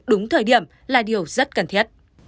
đúng thời điểm là điều rất cần thiết